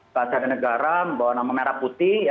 bahasa negara membawa nama merah putih